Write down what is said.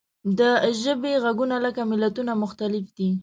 د ژبې غږونه لکه ملتونه مختلف دي.